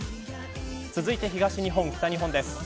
続いて東日本、北日本です。